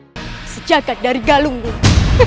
hai sejak dari galunggu hahaha